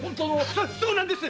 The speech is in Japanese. そうなんです！